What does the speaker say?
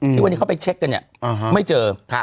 ที่วันนี้เขาไปเช็คกันเนี่ยไม่เจอ